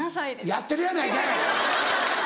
やってるやないかい！